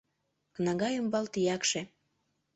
Кнага ӱмбал тиякше